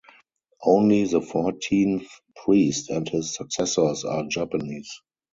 Only the fourteenth priest and his successors are Japanese.